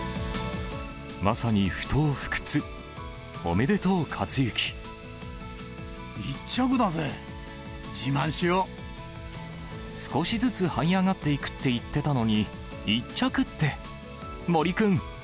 まさに不とう不屈、おめでと１着だぜ、少しずつはい上がっていくって言ってたのに、１着って。